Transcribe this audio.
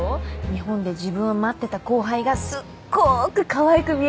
日本で自分を待ってた後輩がすごくかわいく見えたりして。